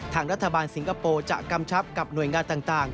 ทางรัฐบาลสิงคโปร์จะกำชับกับหน่วยงานต่าง